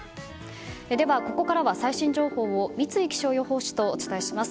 では、ここからは最新情報を三井気象予報士とお伝えします。